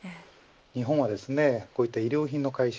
日本はこういった衣料品の回収